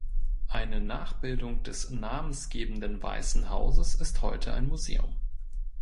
Eine Nachbildung des namensgebenden Weißen Hauses ist heute ein Museum.